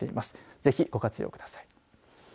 ぜひ、ご活用ください。